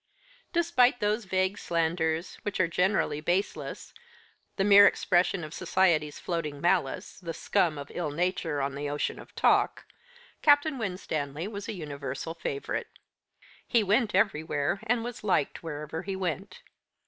Despite those vague slanders, which are generally baseless the mere expression of society's floating malice, the scum of ill nature on the ocean of talk Captain Winstanley was a universal favourite. He went everywhere, and was liked wherever he went.